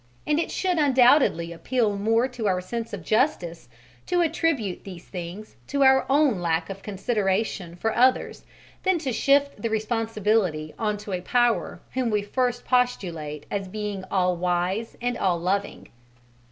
And it should undoubtedly appeal more to our sense of justice to attribute these things to our own lack of consideration for others than to shift the responsibility on to a Power whom we first postulate as being All wise and All loving.